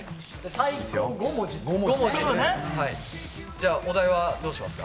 最高５文字です。